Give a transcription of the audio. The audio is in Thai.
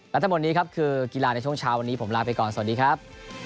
และทั้งหมดนี้ครับคือกีฬาในช่วงเช้าวันนี้ผมลาไปก่อนสวัสดีครับ